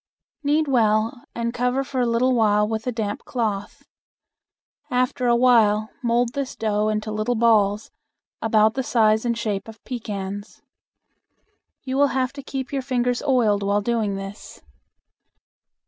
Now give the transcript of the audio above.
Knead well and cover for a little while with a damp cloth. After a while mold this dough into little balls about the size and shape of pecans. You will have to keep your fingers oiled while doing this.